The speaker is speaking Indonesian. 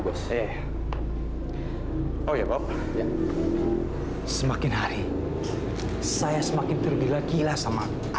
perabotannya udah lengkap semua